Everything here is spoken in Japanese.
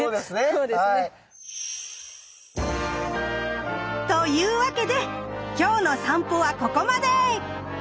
そうですね。というわけで今日の散歩はここまで！